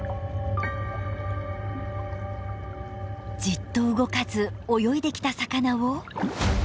じっと動かず泳いできた魚を。